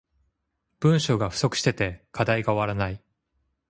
文章が不足してて課題が終わらない